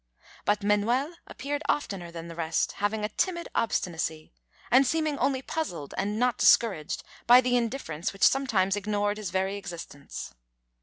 But Manuel appeared oftener than the rest, having a timid obstinacy, and seeming only puzzled and not discouraged by the indifference which sometimes ignored his very existence.